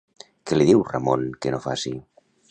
Què li diu Ramon que no faci?